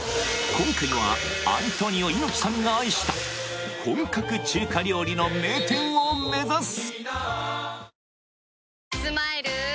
今回はアントニオ猪木さんが愛した本格中華料理の名店を目指す！